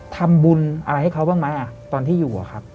ทำบุญอะไรให้เขาบ้างไหมตอนที่อยู่อะครับ